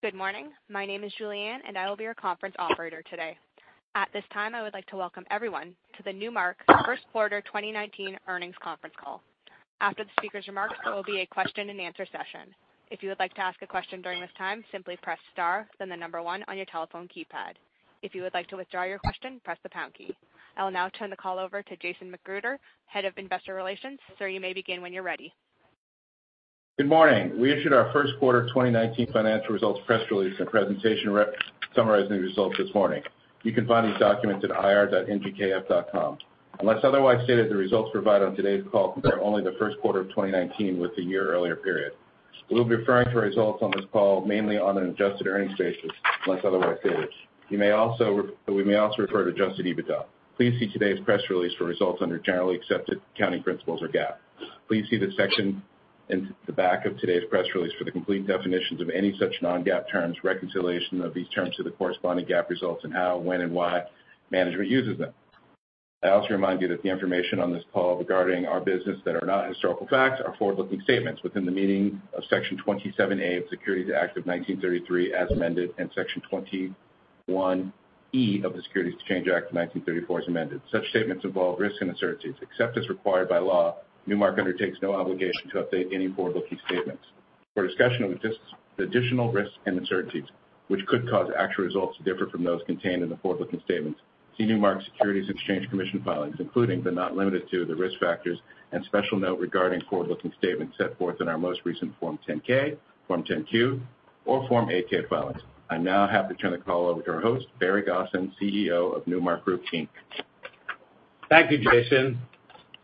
Good morning. My name is Julianne, I will be your conference operator today. At this time, I would like to welcome everyone to the Newmark First Quarter 2019 Earnings Conference Call. After the speaker's remarks, there will be a question and answer session. If you would like to ask a question during this time, simply press star, then the number one on your telephone keypad. If you would like to withdraw your question, press the pound key. I will now turn the call over to Jason McGruder, Head of Investor Relations. Sir, you may begin when you're ready. Good morning. We issued our first quarter 2019 financial results press release and presentation summarizing the results this morning. You can find these documents at ir.nmrk.com. Unless otherwise stated, the results provided on today's call compare only the first quarter of 2019 with the year-earlier period. We'll be referring to results on this call mainly on an adjusted earnings basis, unless otherwise stated. We may also refer to adjusted EBITDA. Please see today's press release for results under generally accepted accounting principles or GAAP. Please see the section in the back of today's press release for the complete definitions of any such non-GAAP terms, reconciliation of these terms to the corresponding GAAP results, and how, when, and why management uses them. I also remind you that the information on this call regarding our business that are not historical facts are forward-looking statements within the meaning of Section 27A of the Securities Act of 1933 as amended, Section 21E of the Securities Exchange Act of 1934 as amended. Such statements involve risks and uncertainties. Except as required by law, Newmark undertakes no obligation to update any forward-looking statements. For a discussion of additional risks and uncertainties, which could cause actual results to differ from those contained in the forward-looking statements, see Newmark Securities and Exchange Commission filings, including, but not limited to, the risk factors and special note regarding forward-looking statements set forth in our most recent Form 10-K, Form 10-Q, or Form 8-K filings. I now have to turn the call over to our host, Barry Gosin, CEO of Newmark Group, Inc. Thank you, Jason.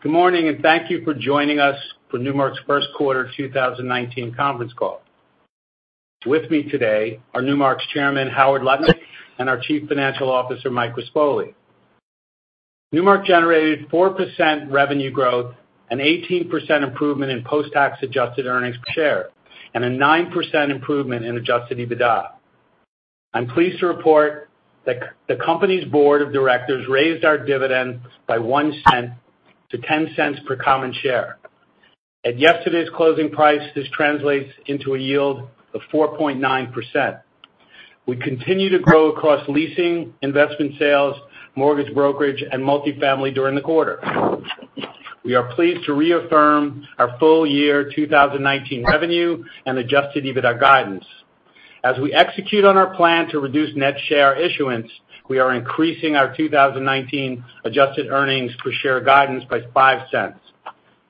Good morning, thank you for joining us for Newmark's first quarter 2019 conference call. With me today are Newmark's Chairman, Howard Lutnick, and our Chief Financial Officer, Mike Rispoli. Newmark generated 4% revenue growth, an 18% improvement in post-tax adjusted earnings per share, and a 9% improvement in adjusted EBITDA. I'm pleased to report that the company's board of directors raised our dividend by $0.01 to $0.10 per common share. At yesterday's closing price, this translates into a yield of 4.9%. We continue to grow across leasing, investment sales, mortgage brokerage, and multifamily during the quarter. We are pleased to reaffirm our full year 2019 revenue and adjusted EBITDA guidance. As we execute on our plan to reduce net share issuance, we are increasing our 2019 adjusted earnings per share guidance by $0.05.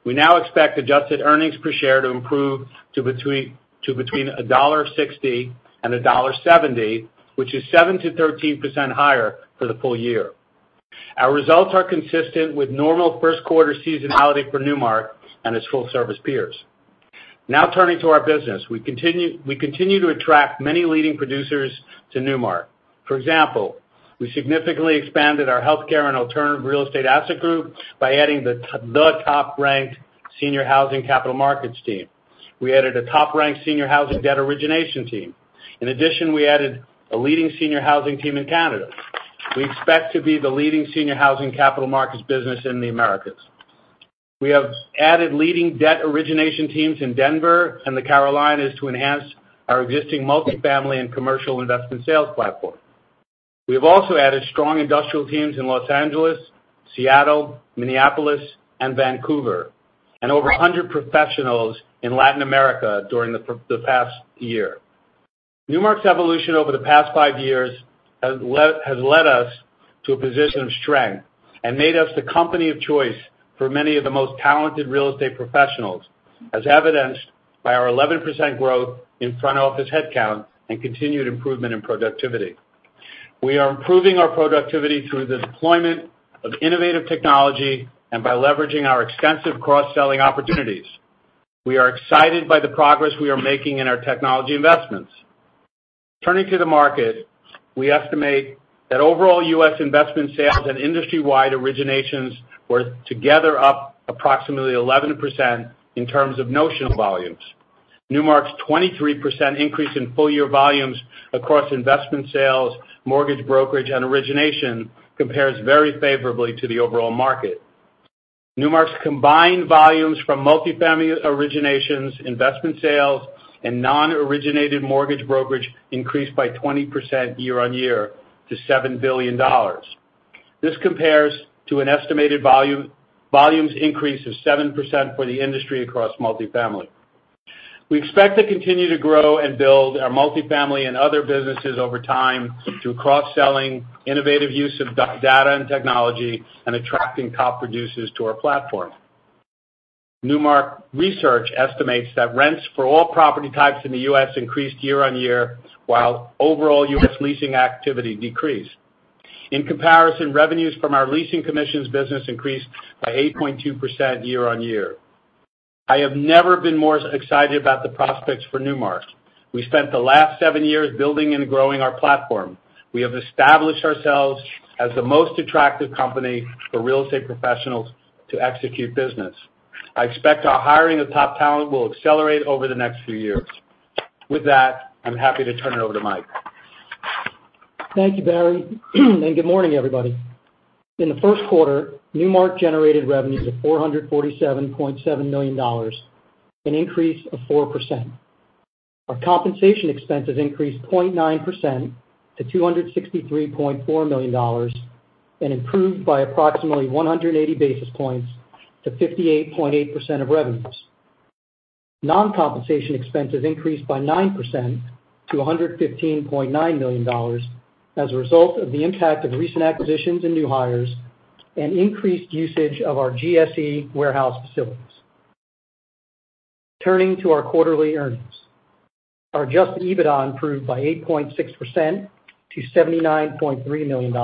We now expect adjusted earnings per share to improve to between $1.60 and $1.70, which is 7% to 13% higher for the full year. Our results are consistent with normal first quarter seasonality for Newmark and its full service peers. Turning to our business. We continue to attract many leading producers to Newmark. For example, we significantly expanded our healthcare and alternative real estate asset group by adding the top-ranked senior housing capital markets team. We added a top-ranked senior housing debt origination team. In addition, we added a leading senior housing team in Canada. We expect to be the leading senior housing capital markets business in the Americas. We have added leading debt origination teams in Denver and the Carolinas to enhance our existing multifamily and commercial investment sales platform. We have also added strong industrial teams in Los Angeles, Seattle, Minneapolis, and Vancouver, and over 100 professionals in Latin America during the past year. Newmark's evolution over the past five years has led us to a position of strength and made us the company of choice for many of the most talented real estate professionals, as evidenced by our 11% growth in front office headcount and continued improvement in productivity. We are improving our productivity through the deployment of innovative technology and by leveraging our extensive cross-selling opportunities. We are excited by the progress we are making in our technology investments. Turning to the market, we estimate that overall U.S. investment sales and industry-wide originations were together up approximately 11% in terms of notional volumes. Newmark's 23% increase in full year volumes across investment sales, mortgage brokerage, and origination compares very favorably to the overall market. Newmark's combined volumes from multifamily originations, investment sales, and non-originated mortgage brokerage increased by 20% year-on-year to $7 billion. This compares to an estimated volumes increase of 7% for the industry across multifamily. We expect to continue to grow and build our multifamily and other businesses over time through cross-selling, innovative use of data and technology, and attracting top producers to our platform. Newmark Research estimates that rents for all property types in the U.S. increased year-on-year, while overall U.S. leasing activity decreased. In comparison, revenues from our leasing commissions business increased by 8.2% year-on-year. I have never been more excited about the prospects for Newmark. We spent the last seven years building and growing our platform. We have established ourselves as the most attractive company for real estate professionals to execute business. I expect our hiring of top talent will accelerate over the next few years. With that, I'm happy to turn it over to Mike. Thank you, Barry. Good morning, everybody. In the first quarter, Newmark generated revenues of $447.7 million, an increase of 4%. Our compensation expenses increased 0.9% to $263.4 million and improved by approximately 180 basis points to 58.8% of revenues. Non-compensation expenses increased by 9% to $115.9 million as a result of the impact of recent acquisitions and new hires and increased usage of our GSE warehouse facilities. Turning to our quarterly earnings. Our adjusted EBITDA improved by 8.6% to $79.3 million.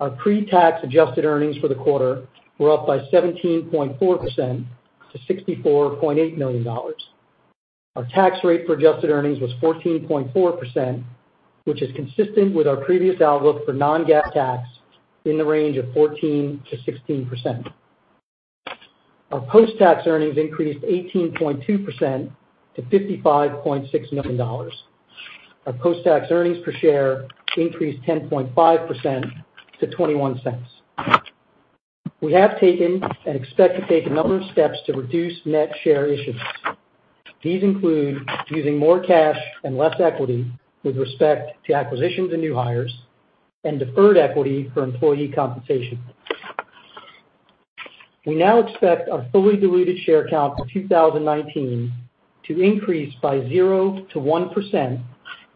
Our pre-tax adjusted earnings for the quarter were up by 17.4% to $64.8 million. Our tax rate for adjusted earnings was 14.4%, which is consistent with our previous outlook for non-GAAP tax in the range of 14%-16%. Our post-tax earnings increased 18.2% to $55.6 million. Our post-tax earnings per share increased 10.5% to $0.21. We have taken and expect to take a number of steps to reduce net share issuance. These include using more cash and less equity with respect to acquisitions and new hires and deferred equity for employee compensation. We now expect our fully diluted share count for 2019 to increase by 0%-1%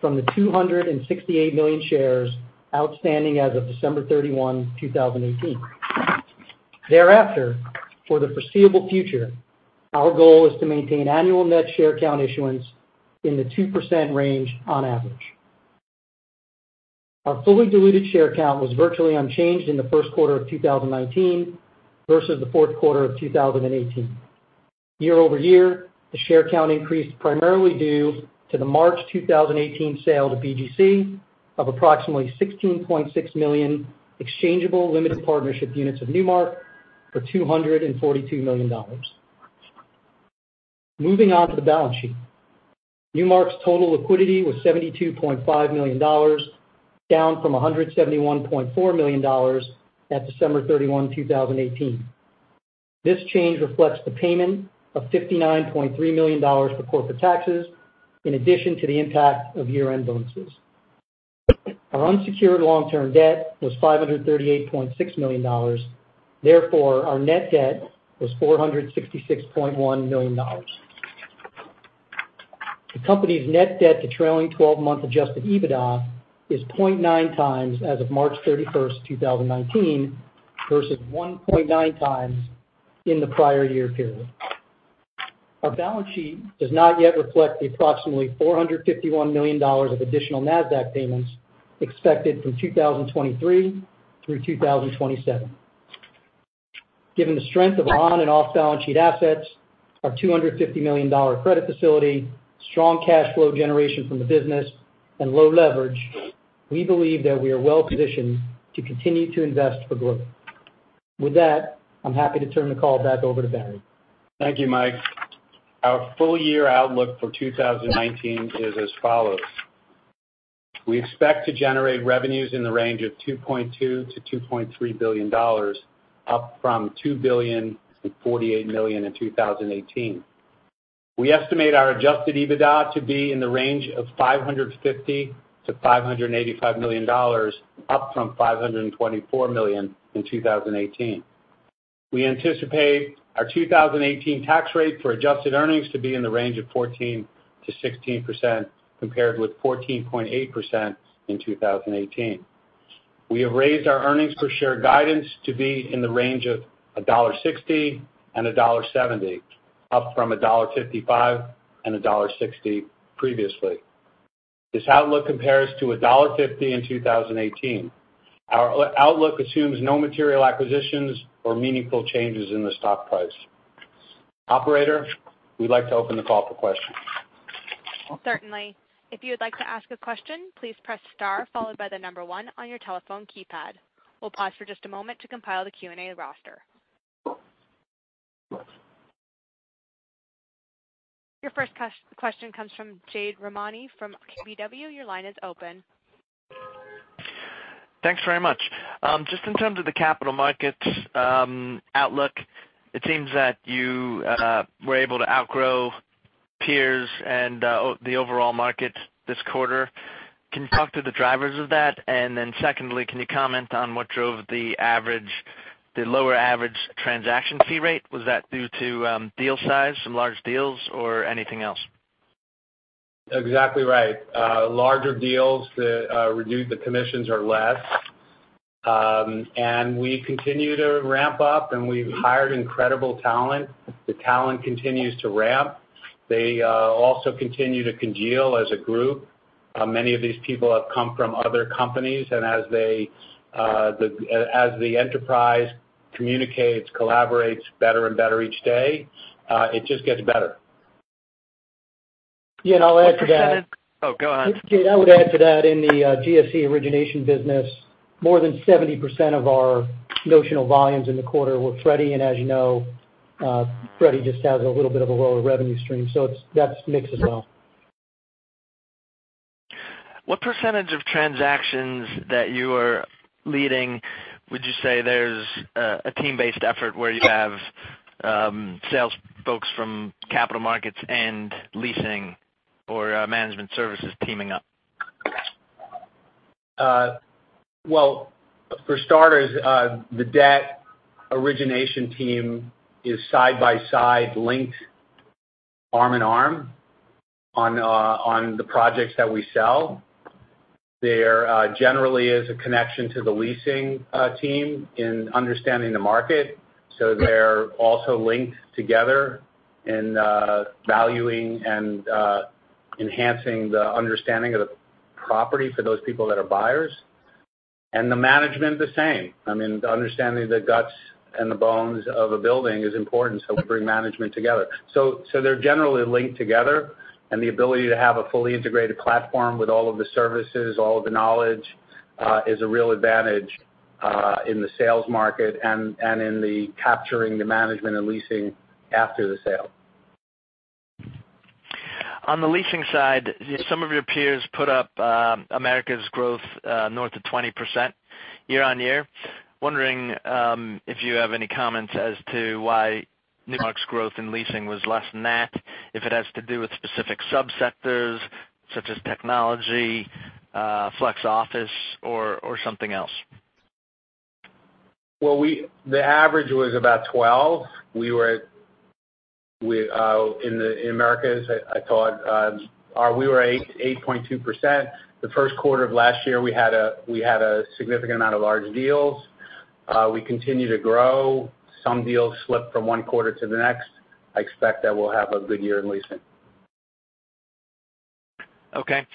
from the 268 million shares outstanding as of December 31, 2018. Thereafter, for the foreseeable future, our goal is to maintain annual net share count issuance in the 2% range on average. Our fully diluted share count was virtually unchanged in the first quarter of 2019 versus the fourth quarter of 2018. Year-over-year, the share count increased primarily due to the March 2018 sale to BGC of approximately 16.6 million exchangeable limited partnership units of Newmark for $242 million. Moving on to the balance sheet. Newmark's total liquidity was $72.5 million, down from $171.4 million at December 31, 2018. This change reflects the payment of $59.3 million for corporate taxes, in addition to the impact of year-end bonuses. Our unsecured long-term debt was $538.6 million. Therefore, our net debt was $466.1 million. The company's net debt to trailing 12-month adjusted EBITDA is 0.9 times as of March 31, 2019, versus 1.9 times in the prior year period. Our balance sheet does not yet reflect the approximately $451 million of additional Nasdaq payments expected from 2023 through 2027. Given the strength of on and off-balance sheet assets, our $250 million credit facility, strong cash flow generation from the business, and low leverage, we believe that we are well-positioned to continue to invest for growth. With that, I'm happy to turn the call back over to Barry. Thank you, Mike. Our full-year outlook for 2019 is as follows. We expect to generate revenues in the range of $2.2 billion-$2.3 billion, up from $2.048 billion in 2018. We estimate our adjusted EBITDA to be in the range of $550 million-$585 million, up from $524 million in 2018. We anticipate our 2018 tax rate for adjusted earnings to be in the range of 14%-16%, compared with 14.8% in 2018. We have raised our earnings per share guidance to be in the range of $1.60-$1.70, up from $1.55-$1.60 previously. This outlook compares to $1.50 in 2018. Our outlook assumes no material acquisitions or meaningful changes in the stock price. Operator, we'd like to open the call for questions. Certainly. If you would like to ask a question, please press star followed by the number one on your telephone keypad. We'll pause for just a moment to compile the Q&A roster. Your first question comes from Jade Rahmani from KBW. Your line is open. Thanks very much. Just in terms of the capital markets outlook, it seems that you were able to outgrow peers and the overall market this quarter. Can you talk to the drivers of that? Secondly, can you comment on what drove the lower average transaction fee rate? Was that due to deal size, some large deals, or anything else? Exactly right. Larger deals, the commissions are less. We continue to ramp up, and we've hired incredible talent. The talent continues to ramp. They also continue to congeal as a group. Many of these people have come from other companies, as the enterprise communicates, collaborates better and better each day, it just gets better. Yeah, I'll add to that. Oh, go ahead. Jade, I would add to that in the GSE origination business, more than 70% of our notional volumes in the quarter were Freddie, and as you know, Freddie just has a little bit of a lower revenue stream. That's mixed as well. What percentage of transactions that you are leading would you say there's a team-based effort where you have sales folks from capital markets and leasing or management services teaming up? Well, for starters, the debt origination team is side by side linked arm in arm on the projects that we sell. There generally is a connection to the leasing team in understanding the market. They're also linked together in valuing and enhancing the understanding of the property for those people that are buyers. The management is the same. Understanding the guts and the bones of a building is important. We bring management together. They're generally linked together, and the ability to have a fully integrated platform with all of the services, all of the knowledge, is a real advantage, in the sales market and in the capturing the management and leasing after the sale. On the leasing side, some of your peers put up Americas growth north of 20% year-over-year. Wondering if you have any comments as to why Newmark's growth in leasing was less than that, if it has to do with specific subsectors such as technology, flex office, or something else. Well, the average was about 12. In the Americas, I thought, we were 8.2%. The first quarter of last year, we had a significant amount of large deals. We continue to grow. Some deals slip from one quarter to the next. I expect that we'll have a good year in leasing. Okay.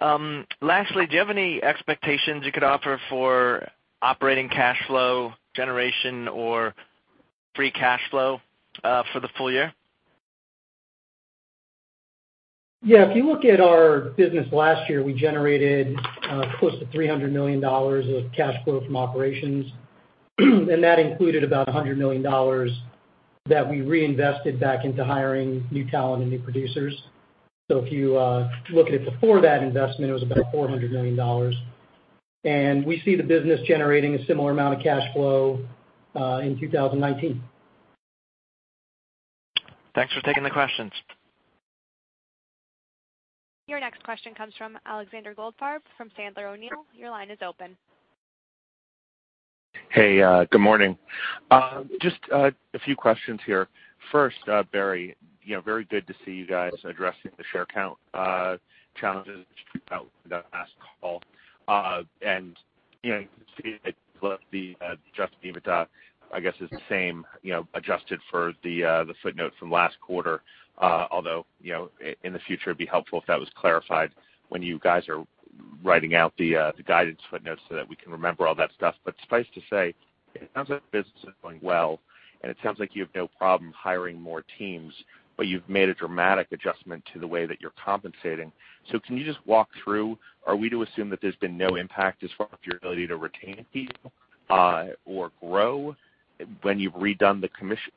Lastly, do you have any expectations you could offer for operating cash flow generation or free cash flow for the full year? Yeah, if you look at our business last year, we generated close to $300 million of cash flow from operations. That included about $100 million that we reinvested back into hiring new talent and new producers. If you look at it before that investment, it was about $400 million. We see the business generating a similar amount of cash flow in 2019. Thanks for taking the questions. Your next question comes from Alexander Goldfarb from Sandler O'Neill. Your line is open. Hey, good morning. Just a few questions here. First, Barry, very good to see you guys addressing the share count challenges that we had on the last call. You can see that the adjusted EBITDA, I guess, is the same, adjusted for the footnote from last quarter. Although, in the future, it'd be helpful if that was clarified when you guys are writing out the guidance footnotes so that we can remember all that stuff. Suffice to say, it sounds like the business is going well, and it sounds like you have no problem hiring more teams, but you've made a dramatic adjustment to the way that you're compensating. Can you just walk through, are we to assume that there's been no impact as far as your ability to retain people or grow when you've redone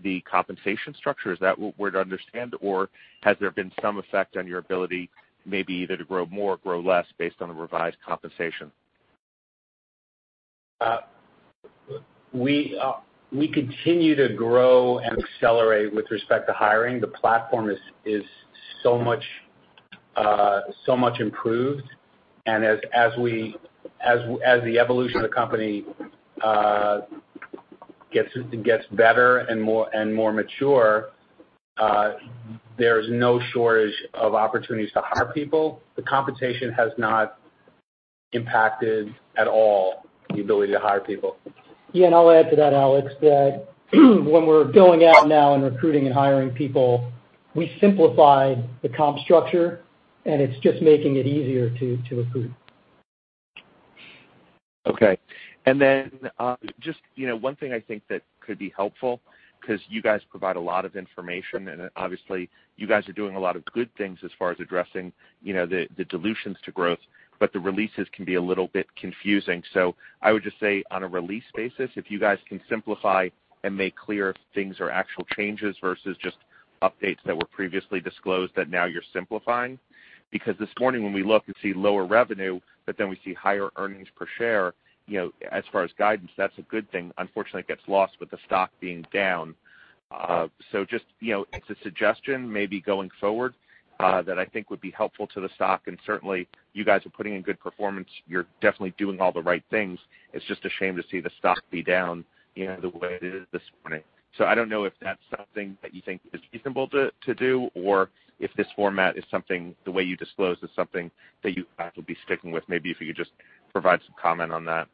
the compensation structure? Is that what we're to understand, or has there been some effect on your ability maybe either to grow more or grow less based on the revised compensation? We continue to grow and accelerate with respect to hiring. The platform is so much improved, and as the evolution of the company gets better and more mature, there's no shortage of opportunities to hire people. The compensation has not impacted at all the ability to hire people. Yeah, I'll add to that, Alex, that when we're going out now and recruiting and hiring people, we simplified the comp structure, and it's just making it easier to recruit. Okay. Just one thing I think that could be helpful, because you guys provide a lot of information, and obviously, you guys are doing a lot of good things as far as addressing the dilutions to growth, but the releases can be a little bit confusing. I would just say on a release basis, if you guys can simplify and make clear if things are actual changes versus just updates that were previously disclosed that now you're simplifying. This morning when we look, we see lower revenue, but then we see higher earnings per share. As far as guidance, that's a good thing. Unfortunately, it gets lost with the stock being down. Just, it's a suggestion maybe going forward, that I think would be helpful to the stock, and certainly you guys are putting in good performance. You're definitely doing all the right things. It's just a shame to see the stock be down the way it is this morning. I don't know if that's something that you think is reasonable to do, or if this format, the way you disclose, is something that you guys will be sticking with. Maybe if you could just provide some comment on that.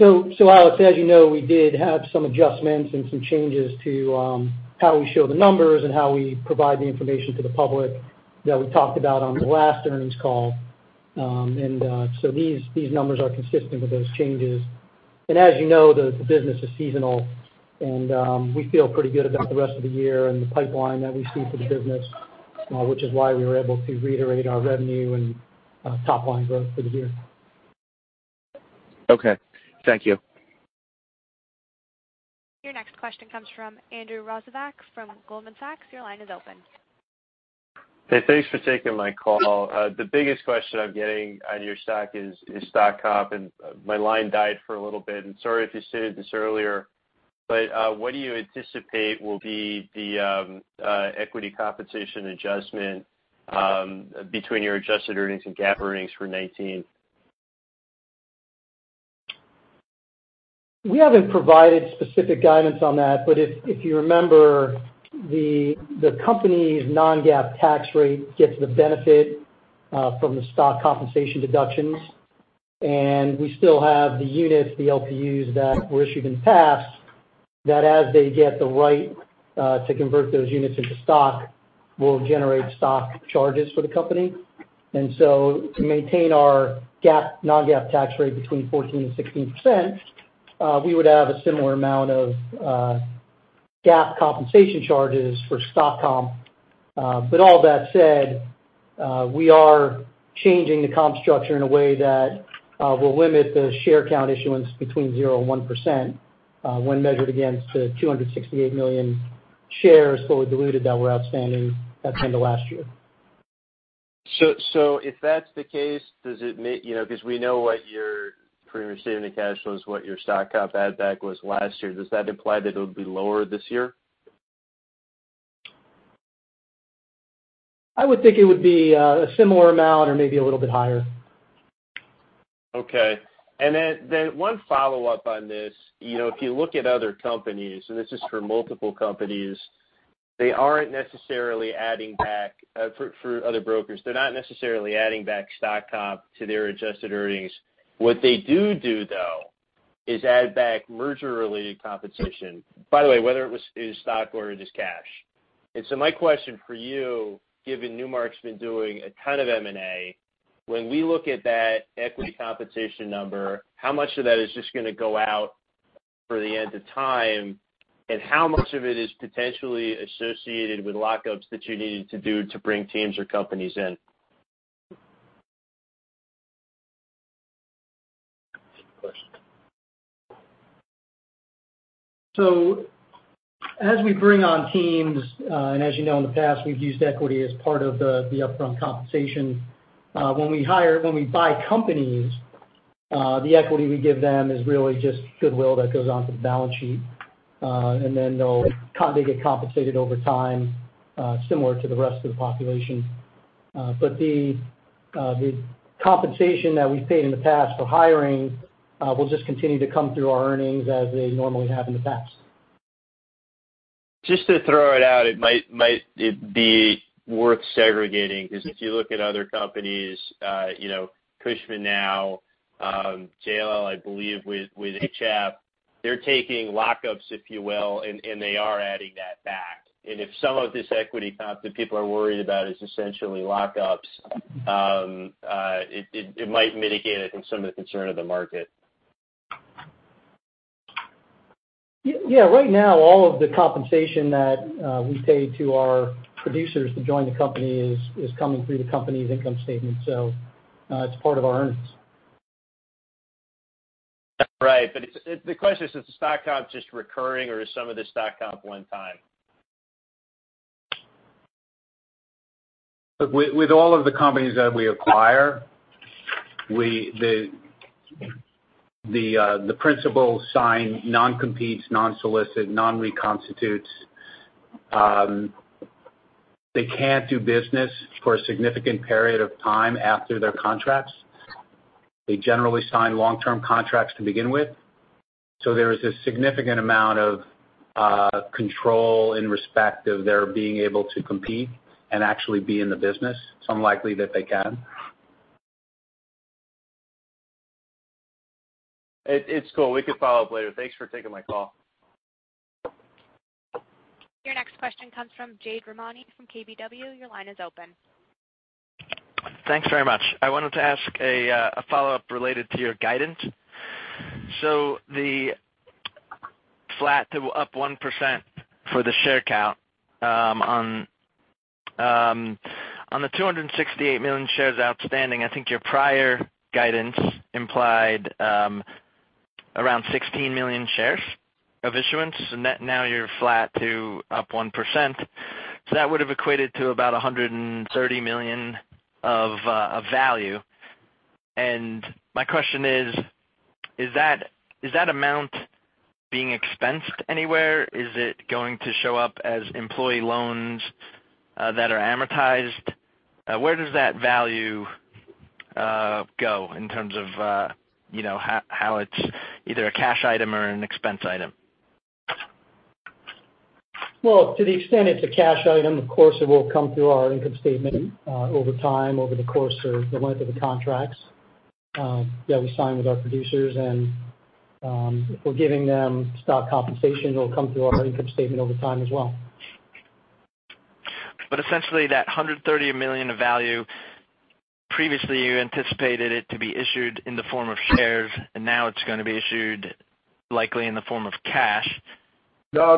Alex, as you know, we did have some adjustments and some changes to how we show the numbers and how we provide the information to the public that we talked about on the last earnings call. These numbers are consistent with those changes. As you know, the business is seasonal, and we feel pretty good about the rest of the year and the pipeline that we see for the business. Which is why we were able to reiterate our revenue and top-line growth for the year. Okay. Thank you. Your next question comes from Andrew Rosivach from Goldman Sachs. Your line is open. Hey. Thanks for taking my call. The biggest question I'm getting on your stock is stock comp, my line died for a little bit, sorry if you stated this earlier, but what do you anticipate will be the equity compensation adjustment between your adjusted earnings and GAAP earnings for 2019? We haven't provided specific guidance on that. If you remember, the company's non-GAAP tax rate gets the benefit from the stock compensation deductions. We still have the units, the LPUs that were issued in the past, that as they get the right to convert those units into stock, will generate stock charges for the company. To maintain our non-GAAP tax rate between 14%-16%, we would have a similar amount of GAAP compensation charges for stock comp. All that said, we are changing the comp structure in a way that will limit the share count issuance between 0%-1% when measured against the 268 million shares, fully diluted, that were outstanding at the end of last year. If that's the case, because we know what your premium received in the cash was, what your stock comp add back was last year, does that imply that it would be lower this year? I would think it would be a similar amount or maybe a little bit higher. Okay. One follow-up on this. If you look at other companies, and this is for multiple companies, for other brokers, they're not necessarily adding back stock comp to their adjusted earnings. What they do, though, is add back merger-related compensation, by the way, whether it is stock or it is cash. My question for you, given Newmark's been doing a ton of M&A, when we look at that equity compensation number, how much of that is just going to go out for the end of time, and how much of it is potentially associated with lockups that you needed to do to bring teams or companies in? Good question. As we bring on teams, as you know, in the past, we've used equity as part of the upfront compensation. When we buy companies, the equity we give them is really just goodwill that goes onto the balance sheet. Then they get compensated over time, similar to the rest of the population. The compensation that we've paid in the past for hiring will just continue to come through our earnings as they normally have in the past. Just to throw it out, it might be worth segregating. If you look at other companies, Cushman now, JLL, I believe, with HFF, they're taking lockups, if you will, they are adding that back. If some of this equity comp that people are worried about is essentially lockups, it might mitigate it in some of the concern of the market. Yeah. Right now, all of the compensation that we pay to our producers to join the company is coming through the company's income statement. It's part of our earnings. Right. The question is the stock comp just recurring, or is some of the stock comp one time? With all of the companies that we acquire, the principals sign non-competes, non-solicit, non-reconstitutes. They can't do business for a significant period of time after their contracts. They generally sign long-term contracts to begin with. There is a significant amount of control in respect of their being able to compete and actually be in the business. It's unlikely that they can. It's cool. We could follow up later. Thanks for taking my call. Your next question comes from Jade Rahmani from KBW. Your line is open. Thanks very much. I wanted to ask a follow-up related to your guidance. The flat to up 1% for the share count on the 268 million shares outstanding, I think your prior guidance implied around 16 million shares of issuance. Now you're flat to up 1%. That would have equated to about $130 million of value. My question is that amount being expensed anywhere? Is it going to show up as employee loans that are amortized? Where does that value go in terms of how it's either a cash item or an expense item? To the extent it's a cash item, of course, it will come through our income statement over time, over the course of the length of the contracts that we sign with our producers. If we're giving them stock compensation, it will come through our income statement over time as well. Essentially, that $130 million of value. Previously, you anticipated it to be issued in the form of shares, and now it's going to be issued likely in the form of cash. No.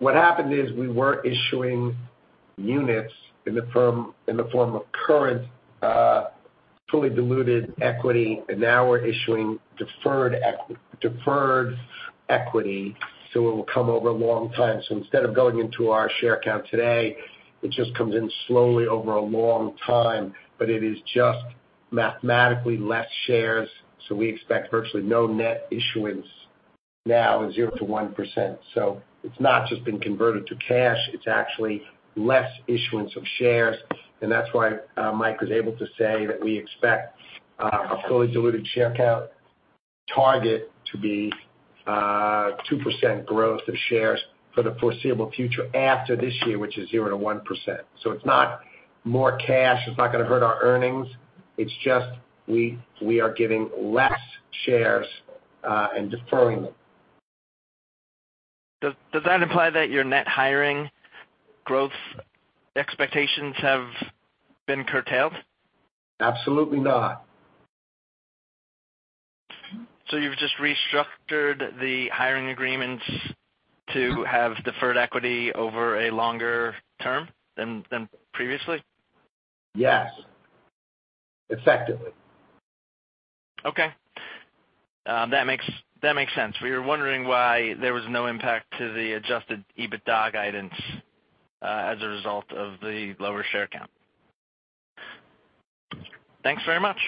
What happened is we were issuing units in the form of current, fully diluted equity, and now we're issuing deferred equity. It will come over a long time. Instead of going into our share count today, it just comes in slowly over a long time, but it is just mathematically less shares, we expect virtually no net issuance now, 0%-1%. It's not just been converted to cash, it's actually less issuance of shares. That's why Mike was able to say that we expect our fully diluted share count target to be 2% growth of shares for the foreseeable future after this year, which is 0%-1%. It's not more cash. It's not going to hurt our earnings. It's just we are giving less shares and deferring them. Does that imply that your net hiring growth expectations have been curtailed? Absolutely not. You've just restructured the hiring agreements to have deferred equity over a longer term than previously? Yes. Effectively. Okay. That makes sense. We were wondering why there was no impact to the adjusted EBITDA guidance as a result of the lower share count. Thanks very much.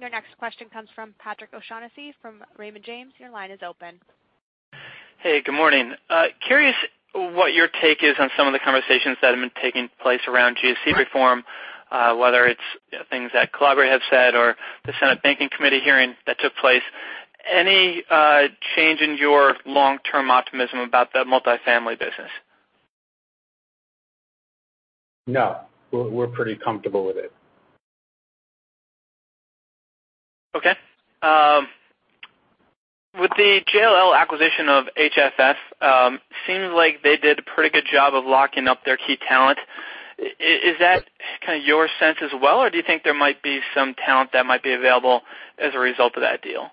Your next question comes from Patrick O'Shaughnessy from Raymond James. Your line is open. Hey, good morning. Curious what your take is on some of the conversations that have been taking place around GSE reform, whether it's things that Calabria have said or the Senate Banking Committee hearing that took place. Any change in your long-term optimism about the multifamily business? No, we're pretty comfortable with it. Okay. With the JLL acquisition of HFF, seems like they did a pretty good job of locking up their key talent. Is that kind of your sense as well, or do you think there might be some talent that might be available as a result of that deal?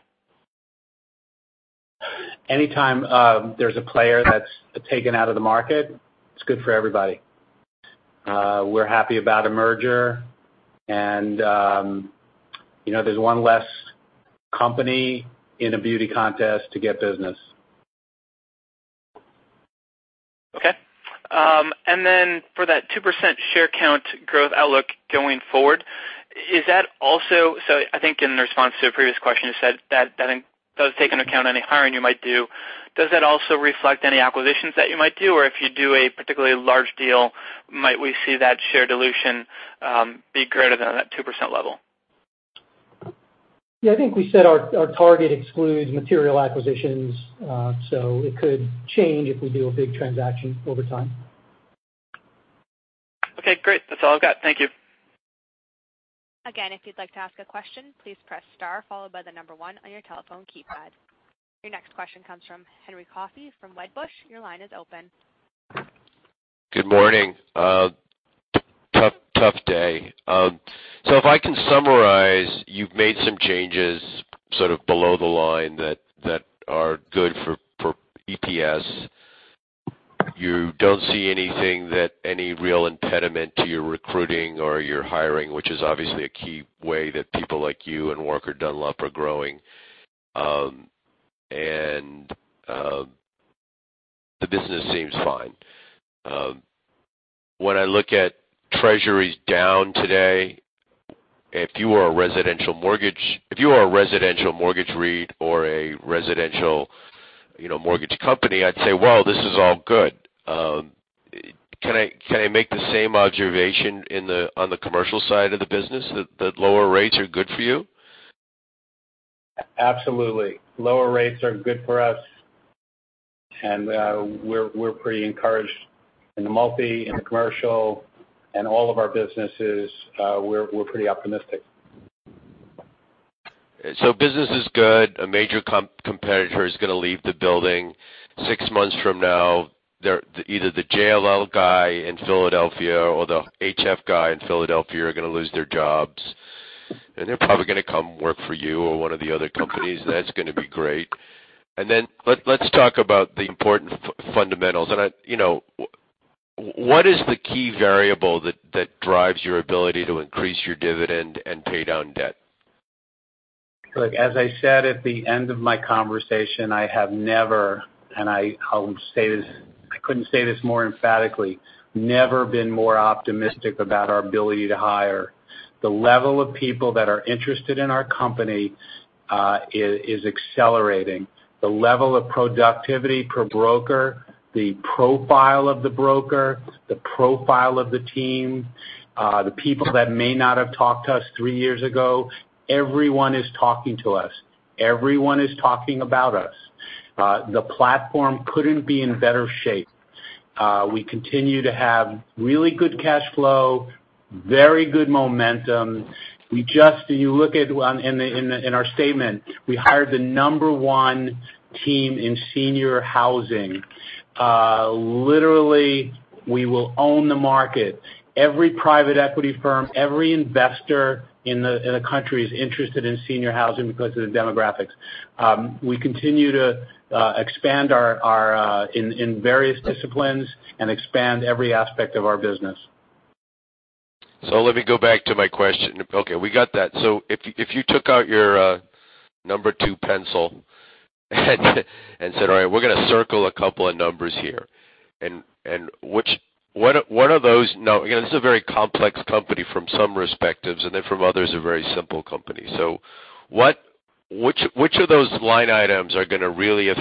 Anytime there's a player that's taken out of the market, it's good for everybody. We're happy about a merger and there's one less company in a beauty contest to get business. Okay. For that 2% share count growth outlook going forward, I think in response to a previous question, you said that does take into account any hiring you might do. Does that also reflect any acquisitions that you might do? If you do a particularly large deal, might we see that share dilution be greater than that 2% level? Yeah, I think we said our target excludes material acquisitions. It could change if we do a big transaction over time. Okay, great. That's all I've got. Thank you. Again, if you'd like to ask a question, please press star followed by the number one on your telephone keypad. Your next question comes from Henry Coffey from Wedbush. Your line is open. Good morning. Tough day. If I can summarize, you've made some changes sort of below the line that are good for EPS. You don't see any real impediment to your recruiting or your hiring, which is obviously a key way that people like you and Walker & Dunlop are growing. The business seems fine. When I look at Treasuries down today, if you are a residential mortgage REIT or a residential mortgage company, I'd say, well, this is all good. Can I make the same observation on the commercial side of the business that lower rates are good for you? Absolutely. Lower rates are good for us, and we're pretty encouraged in the multi, in the commercial, and all of our businesses. We're pretty optimistic. Business is good. A major competitor is going to leave the building six months from now. Either the JLL guy in Philadelphia or the HFF guy in Philadelphia are going to lose their jobs, and they're probably going to come work for you or one of the other companies. That's going to be great. Let's talk about the important fundamentals. What is the key variable that drives your ability to increase your dividend and pay down debt? As I said at the end of my conversation, I have never, and I couldn't say this more emphatically, never been more optimistic about our ability to hire. The level of people that are interested in our company is accelerating. The level of productivity per broker, the profile of the broker, the profile of the team, the people that may not have talked to us three years ago, everyone is talking to us. Everyone is talking about us. The platform couldn't be in better shape. We continue to have really good cash flow. Very good momentum. If you look in our statement, we hired the number 1 team in senior housing. Literally, we will own the market. Every private equity firm, every investor in the country is interested in senior housing because of the demographics. We continue to expand in various disciplines and expand every aspect of our business. Let me go back to my question. Okay. We got that. If you took out your number 2 pencil and said, "All right, we're going to circle a couple of numbers here." This is a very complex company from some perspectives, and then from others, a very simple company. Which of those line items are going to really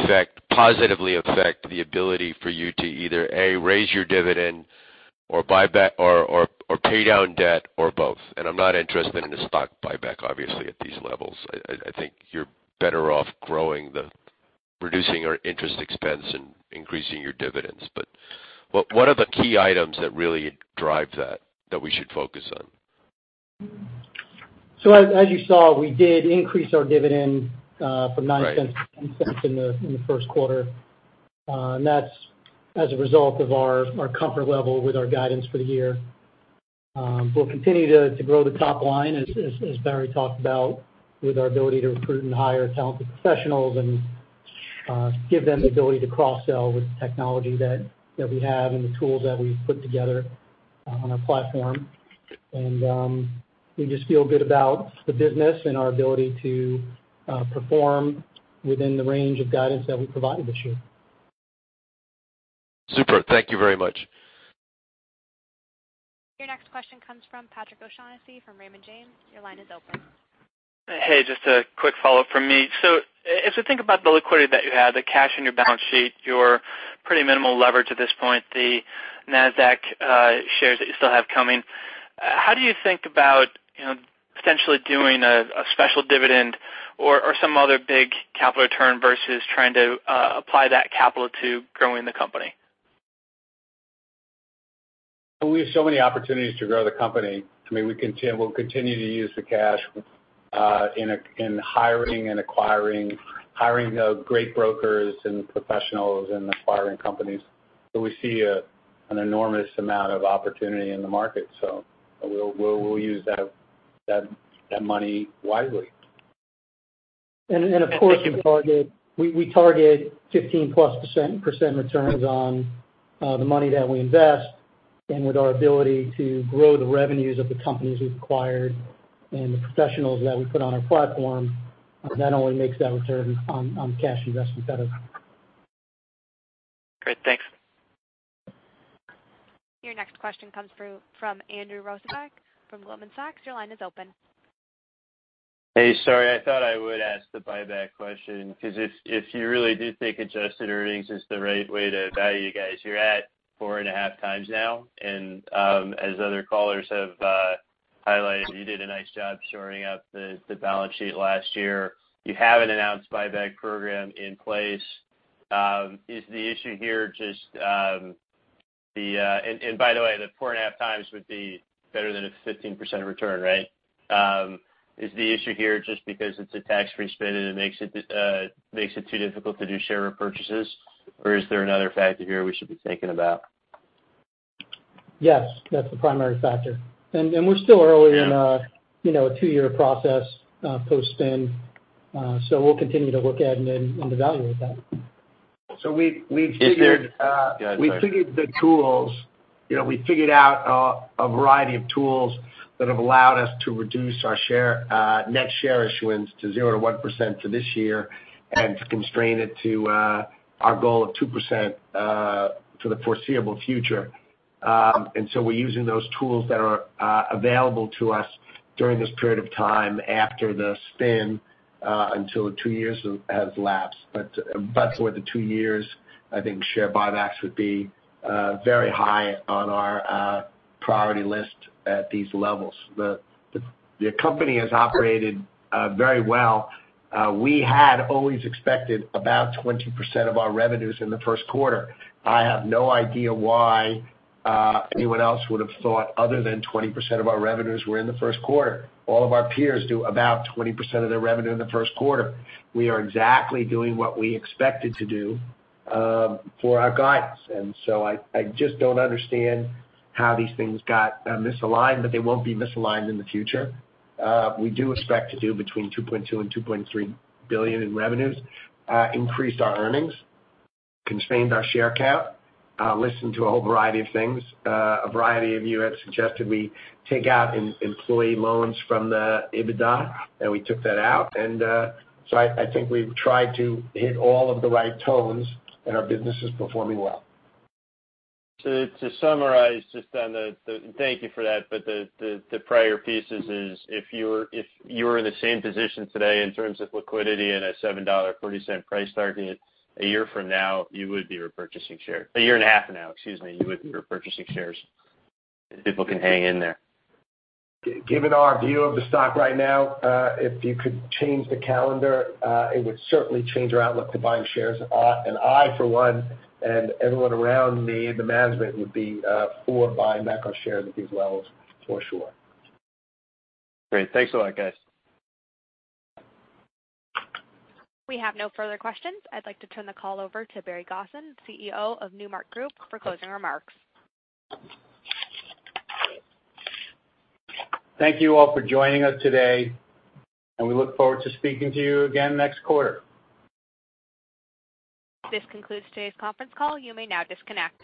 positively affect the ability for you to either, A, raise your dividend or pay down debt or both? I'm not interested in a stock buyback, obviously, at these levels. I think you're better off reducing your interest expense and increasing your dividends. What are the key items that really drive that we should focus on? As you saw, we did increase our dividend from $0.09 to $0.10 in the first quarter. That's as a result of our comfort level with our guidance for the year. We'll continue to grow the top line, as Barry talked about, with our ability to recruit and hire talented professionals and give them the ability to cross-sell with the technology that we have and the tools that we've put together on our platform. We just feel good about the business and our ability to perform within the range of guidance that we provided this year. Super. Thank you very much. Your next question comes from Patrick O'Shaughnessy from Raymond James. Your line is open. Hey, just a quick follow-up from me. As we think about the liquidity that you have, the cash in your balance sheet, your pretty minimal leverage at this point, the Nasdaq shares that you still have coming, how do you think about potentially doing a special dividend or some other big capital return versus trying to apply that capital to growing the company? We have so many opportunities to grow the company. We'll continue to use the cash in hiring and acquiring, hiring great brokers and professionals and acquiring companies. We see an enormous amount of opportunity in the market. We'll use that money wisely. Of course, we target 15%+ returns on the money that we invest, and with our ability to grow the revenues of the companies we've acquired and the professionals that we put on our platform, that only makes that return on cash investment better. Great. Thanks. Your next question comes through from Andrew Rosivach from Goldman Sachs. Your line is open. Hey. Sorry, I thought I would ask the buyback question, because if you really do think adjusted earnings is the right way to value you guys, you're at four and a half times now. As other callers have highlighted, you did a nice job shoring up the balance sheet last year. You have an announced buyback program in place. By the way, the four and a half times would be better than a 15% return, right? Is the issue here just because it's a tax-free spin and it makes it too difficult to do share repurchases? Is there another factor here we should be thinking about? Yes. That's the primary factor. We're still early in a two-year process post-spin, so we'll continue to look at and evaluate that. We've figured Yeah, sorry We figured out a variety of tools that have allowed us to reduce our net share issuance to 0%-1% for this year and to constrain it to our goal of 2% for the foreseeable future. We're using those tools that are available to us during this period of time after the spin, until two years has lapsed. For the two years, I think share buybacks would be very high on our priority list at these levels. The company has operated very well. We had always expected about 20% of our revenues in the first quarter. I have no idea why anyone else would have thought other than 20% of our revenues were in the first quarter. All of our peers do about 20% of their revenue in the first quarter. We are exactly doing what we expected to do for our guidance. I just don't understand how these things got misaligned, They won't be misaligned in the future. We do expect to do between $2.2 billion and $2.3 billion in revenues, increase our earnings, constrain our share count, listen to a whole variety of things. A variety of you have suggested we take out employee loans from the EBITDA, We took that out. I think we've tried to hit all of the right tones, and our business is performing well. To summarize, thank you for that, the prior pieces is if you were in the same position today in terms of liquidity and a $7.40 price target a year from now, you would be repurchasing shares. A year and a half from now, excuse me, you would be repurchasing shares if people can hang in there. Given our view of the stock right now, if you could change the calendar, it would certainly change our outlook to buying shares. I, for one, and everyone around me in the management would be for buying back our shares at these levels, for sure. Great. Thanks a lot, guys. We have no further questions. I'd like to turn the call over to Barry Gosin, CEO of Newmark Group, for closing remarks. Thank you all for joining us today. We look forward to speaking to you again next quarter. This concludes today's conference call. You may now disconnect.